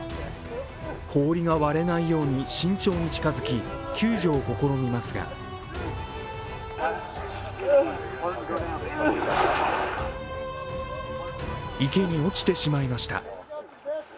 氷が割れないように慎重に近づき、救助を試みますが池に落ちてしまいました。